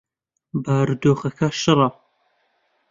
بارودۆخەکە شڕە.